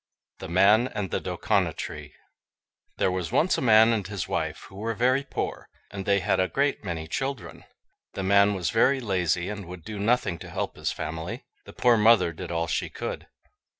THE MAN AND THE DOUKANA TREE There was once a man and his wife, who were very poor, and they had a great many children. The man was very lazy, and would do nothing to help his family. The poor mother did all she could.